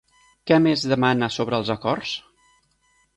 Què més demana sobre els acords?